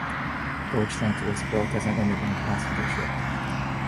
"Deutschland" was built as an emigrant passenger ship.